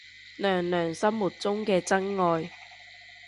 娘娘心目中嘅真愛